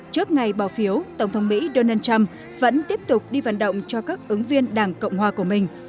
trước ngày bỏ phiếu tổng thống mỹ donald trump vẫn tiếp tục đi vận động cho các ứng viên đảng cộng hòa của mình